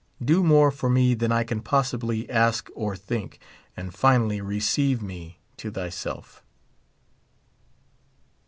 Do more for me than I can possibly ask or think, and finally receive me to thyself.